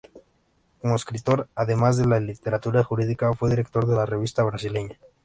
Como escritor, además de la literatura jurídica, fue director de la Revista Brasileña.